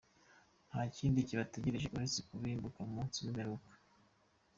Nta kindi kibategereje uretse kurimbuka ku munsi w’imperuka.